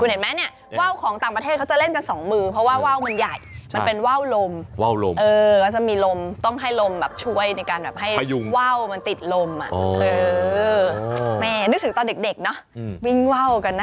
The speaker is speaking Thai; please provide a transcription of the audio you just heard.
เห็นไหมเนี่ยว่าวของต่างประเทศของในเขาจะเล่นกันสองมือ